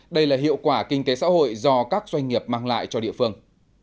đây là hiệu quả kinh tế xã hội do các doanh nghiệp mang lại cho địa phương